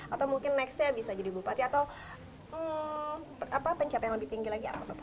atau mungkin nextnya bisa jadi bupati atau pencapaian lebih tinggi lagi